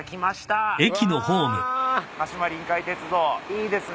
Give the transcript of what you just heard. いいですね。